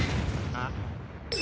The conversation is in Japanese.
あっ？